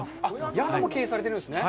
宿も経営されてるんですね。